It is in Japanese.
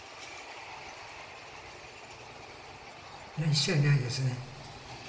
一切ないですね。